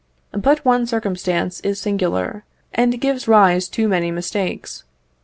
But one circumstance is singular, and gives rise to many mistakes.